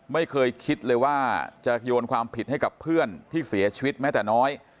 ไม่เคยคิดเลยว่าจะโยนความผิดให้กับเพื่อนที่เสียชีวิตแม้แต่น้อย